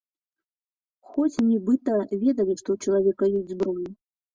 Хоць нібыта ведалі, што ў чалавека ёсць зброя.